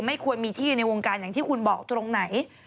ควรมีที่อยู่ในวงการอย่างที่คุณบอกตรงไหน